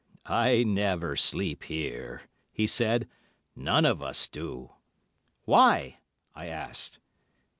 "I never sleep here," he said; "none of us do." "Why?" I asked.